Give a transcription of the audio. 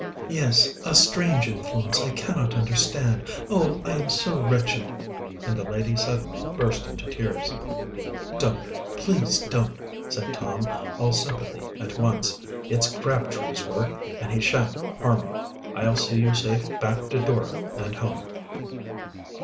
"Yes, a strange influence I cannot understand. Oh, I am so wretched!" And the lady suddenly burst into tears. "Don't, please don't!" said Tom, all sympathy at once. "It's Crabtree's work, and he shan't harm you. I'll see you safe back to Dora and home."